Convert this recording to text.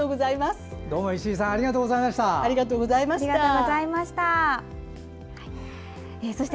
どうも、石井さんありがとうございました。